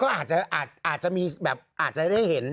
ก็อาจจะมีแบบอาจจะได้เห็น